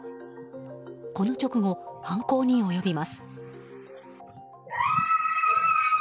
この直後、犯行に及びます。